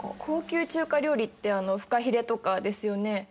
高級中華料理ってあのフカヒレとかですよね。